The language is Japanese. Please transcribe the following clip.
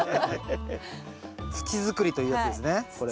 土づくりというやつですねこれが。